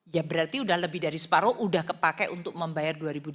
ya berarti sudah lebih dari separoh sudah kepakai untuk membayar dua ribu dua puluh dua